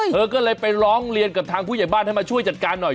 เธอก็เลยไปร้องเรียนกับทางผู้ใหญ่บ้านให้มาช่วยจัดการหน่อย